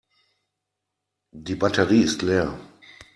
Die Batterie ist leer.